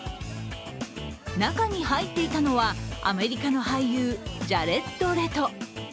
中に入っていたのはアメリカの俳優、ジャレッド・レト。